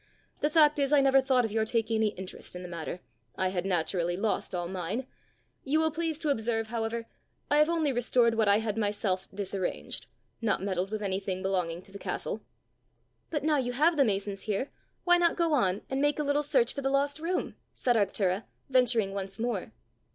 The fact is I never thought of your taking any interest in the matter; I had naturally lost all mine. You will please to observe, however, I have only restored what I had myself disarranged not meddled with anything belonging to the castle!" "But now you have the masons here, why not go on, and make a little search for the lost room?" said Arctura, venturing once more.